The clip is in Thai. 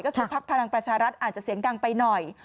ก็คือพักพลังประชารัฐอาจจะเสียงดังไปหน่อย